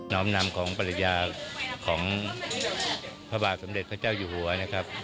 ้อมนำของปริญญาของพระบาทสมเด็จพระเจ้าอยู่หัวนะครับ